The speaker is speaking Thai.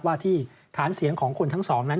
ว่าที่ฐานเสียงของคนทั้งสองนั้น